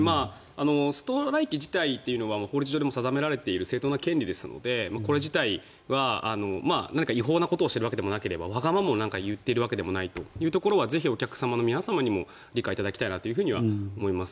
ストライキ自体というのは法律上でも定められている正当な権利ですのでこれ自体は何か違法なことをしているわけでもわがままを言っているわけでもないというところはぜひお客様の皆様にも理解いただきたいなとは思います。